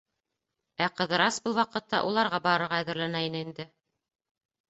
Ә Ҡыҙырас был ваҡытта уларға барырға әҙерләнә ине инде.